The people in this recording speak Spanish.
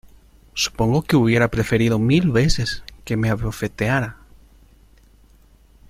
supongo que hubiera preferido mil veces que me abofeteara